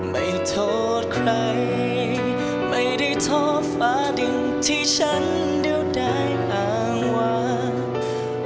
ไม่โทษใครไม่ได้โทษฟ้าดินที่ฉันเดียวได้อ้างว่า